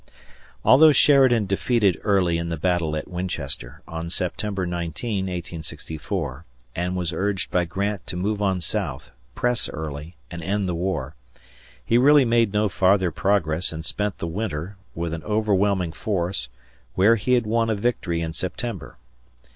Although Sheridan defeated Early in the battle at Winchester, on September 19, 1864, and was urged by Grant to move on south, press Early, and end the war, he really made no farther progress and spent the winter, with an overwhelming force, where he had won a victory in September.